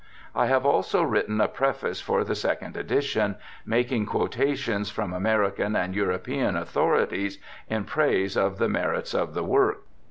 I have also written a preface for the second edition, making quotations from American and European autho rities in praise of the merits of the work.